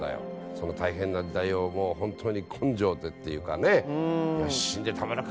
その大変な時代をもう本当に根性でっていうかね。